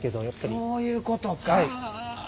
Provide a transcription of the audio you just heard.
そういうことか。